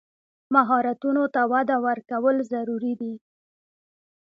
مهارتونو ته وده ورکول ضروري دي.